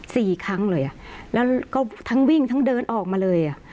สี่ครั้งเลยอ่ะแล้วก็ทั้งวิ่งทั้งเดินออกมาเลยอ่ะ